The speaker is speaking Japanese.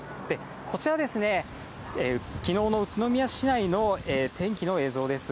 こちら、きのうの宇都宮市内の天気の映像です。